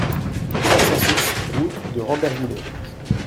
cinq cent six route de Rambervillers